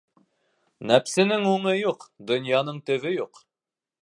Нәпсенең уңы юҡ, донъяның төбө юҡ.